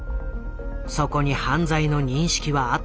そこに犯罪の認識はあったのか。